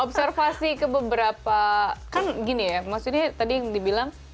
observasi ke beberapa kan gini ya maksudnya tadi yang dibilang